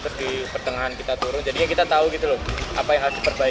terus di pertengahan kita turun jadinya kita tahu gitu loh apa yang harus diperbaiki